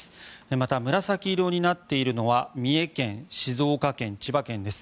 また、紫色になっているのは三重県、静岡県、千葉県です。